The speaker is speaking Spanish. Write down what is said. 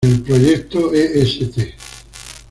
El proyecto "Est.